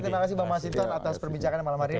terima kasih bang masinton atas perbincangan malam hari ini